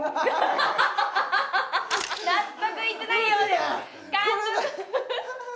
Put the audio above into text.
納得いってないようです監督！